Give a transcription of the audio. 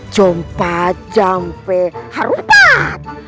jompa jampe harumpat